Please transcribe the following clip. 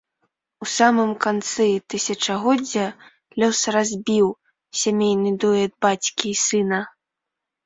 У самым канцы тысячагоддзя лёс разбіў сямейны дуэт бацькі і сына.